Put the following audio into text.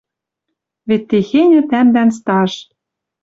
Вет техеньӹ тӓмдӓн стаж!